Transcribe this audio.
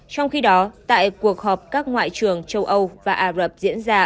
trong khi đó tại cuộc họp các ngoại trưởng châu âu và ả rập diễn ra